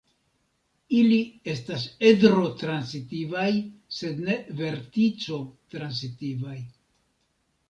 Ili estas edro-transitivaj sed ne vertico-transitivaj.